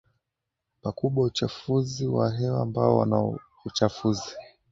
pakubwa uchafuzi wa hewa ambao wanaonaUchafuzi